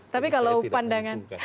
tapi kalau pandangan